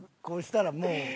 こうしたらもう。